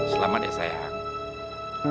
selamat ya sayang